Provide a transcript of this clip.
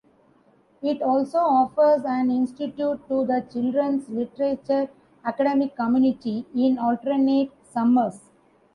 It also offers an institute to the children's literature academic community in alternate summers.